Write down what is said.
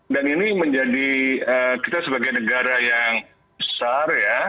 dan ini menjadi kita sebagai negara yang besar ya